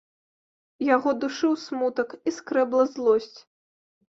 Яго душыў смутак і скрэбла злосць.